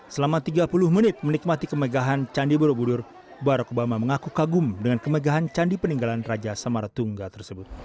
selama tiga puluh menit menikmati kemegahan candi borobudur barack obama mengaku kagum dengan kemegahan candi peninggalan raja samaratungga tersebut